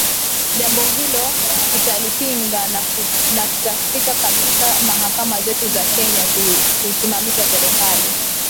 jambo hilo tutalipinga na tutafika katika mahakama zetu za kenya kuisimamisha serikali